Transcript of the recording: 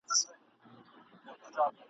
د غم او پاتا پر کمبله کښېناوه ..